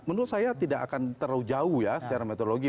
menurut saya tidak akan terlalu jauh ya secara metodologi